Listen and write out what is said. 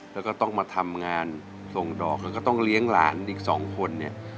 แล้วก็ต้องมาทำงานส่งดอกแล้วก็ต้องเลี้ยงหลานอีกสองคนเนี่ย